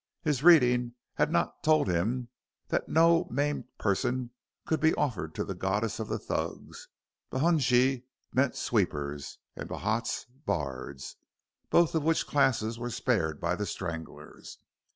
His reading had not told him that no maimed persons could be offered to the goddess of the Thugs. Bhungees meant sweepers, and Bhats bards, both of which classes were spared by the stranglers.